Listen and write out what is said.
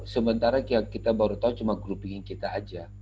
sementara yang kita baru tahu cuma grouping kita aja